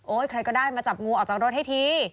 ใครก็ได้มาจับงูออกจากรถให้ที